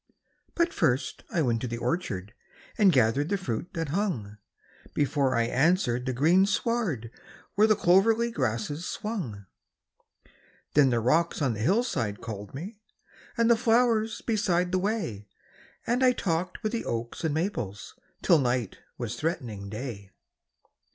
But first I went to the orchard, And gathered the fruit that hung, Before I answered the green sward, Where the clovery grasses swung. Then the rocks on the hill side called me, And the flowers beside the way, And I talked with the oaks and maples Till Night was threatening Day.